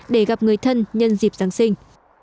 để gặp người thân nhân dịp giáng sinh